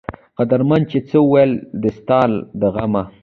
قدرمند چې څۀ وئيل دي ستا د غمه